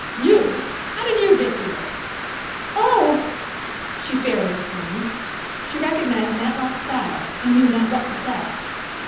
"You! How did you get here?" "Oh!" she fairly screamed. She recognized Matlock Styles, and knew not what to say.